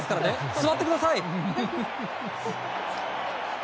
座ってください。